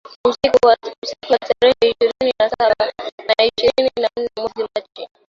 usiku wa tarehe ishirni na saba na ishirini na nane mwezi Machi